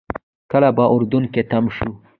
کله به اردن کې تم شو.